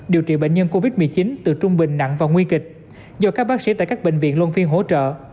điều trị bệnh nhân covid một mươi chín từ trung bình nặng và nguy kịch do các bác sĩ tại các bệnh viện luân phiên hỗ trợ